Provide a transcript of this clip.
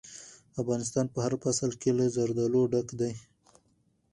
افغانستان په هر فصل کې له زردالو ډک دی.